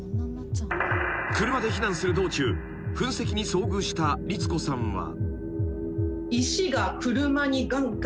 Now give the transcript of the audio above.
［車で避難する道中噴石に遭遇した律子さんは］